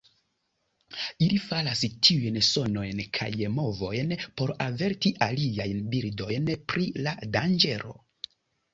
Ili faras tiujn sonojn kaj movojn por averti aliajn birdojn pri la danĝero.